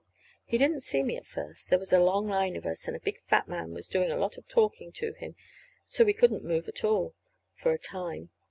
He didn't see me at first. There was a long line of us, and a big fat man was doing a lot of talking to him so we couldn't move at all, for a time.